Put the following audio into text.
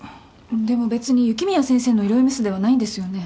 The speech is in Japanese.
でも別に雪宮先生の医療ミスではないんですよね？